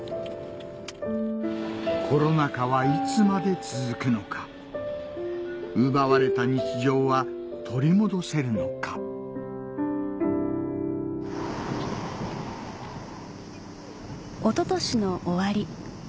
コロナ禍はいつまで続くのか奪われた日常は取り戻せるのか一昨年の終わり